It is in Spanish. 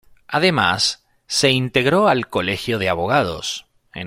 Además, se integró al Colegio de Abogados.